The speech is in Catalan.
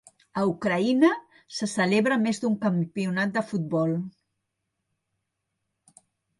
A Ucraïna se celebra més d'un campionat de futbol.